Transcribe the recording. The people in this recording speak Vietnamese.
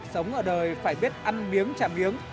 sống ở đời phải biết ăn miếng chả miếng